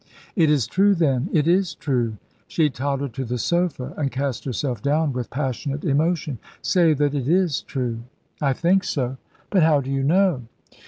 "It is true, then it is true"; she tottered to the sofa, and cast herself down with passionate emotion. "Say that it is true!" "I think so. But how do you know?"